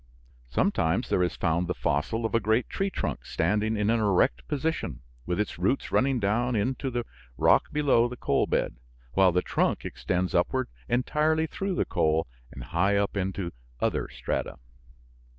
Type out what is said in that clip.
Sometimes there is found the fossil of a great tree trunk standing in an erect position, with its roots running down into the rock below the coal bed, while the trunk extends upward entirely through the coal and high up into the other strata.